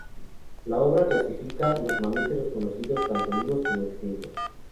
La obra clasifica todos los mamíferos conocidos, tanto vivos como extintos.